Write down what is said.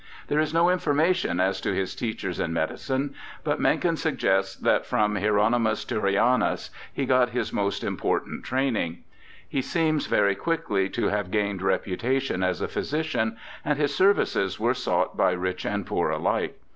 There is no information as to his teachers in medicine, but Mencken suggests that from Hier onymus Turrianus he got his most important training. He seems very quickly to have gained reputation as a physician, and his services were sought by rich and poor alike.